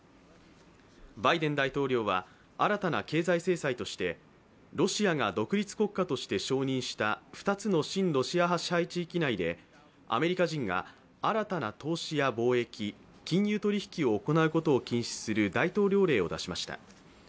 バイデン大統領は新たな経済制裁としてロシアが独立国家として承認した２つの親ロシア派支配地域内でアメリカ人が新たな投資や貿易、金融取引を行うことを禁止する大統領令を出しました。